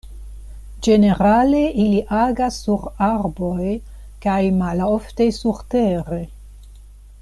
Ĝenerale ili agas sur arboj kaj malofte surtere.